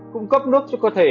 cung cấp nước cho cơ thể